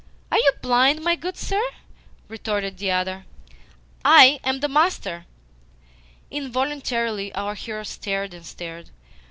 "Are you blind, my good sir?" retorted the other. "I am the master." Involuntarily our hero started and stared.